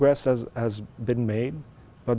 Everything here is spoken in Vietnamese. và phát triển đã được